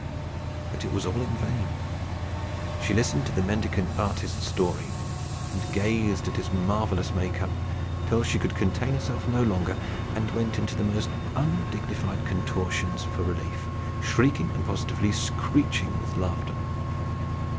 But it was all in vain. She listened to the mendicant artist's story, and gazed at his marvellous make up, till she could contain herself no longer, and went into the most undignified contortions for relief, shrieking, positively screeching with laughter.